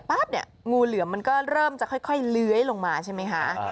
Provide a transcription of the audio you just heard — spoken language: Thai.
เนี่ยงูเหลือมมันก็เริ่มจะค่อยเลื้อยลงมาใช่ไหมคะ